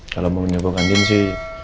kalau mau menjabokan din sih